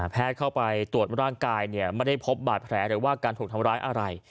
เข้าไปตรวจร่างกายไม่ได้พบบาดแผลหรือว่าการถูกทำร้ายอะไร